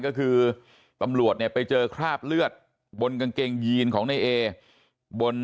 ก็คือปัรมรวดไปเจอคราบเลือดบนกเกงจีนของในเอบน